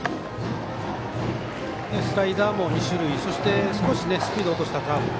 スライダーも２種類、そして少しスピード落としたカーブ。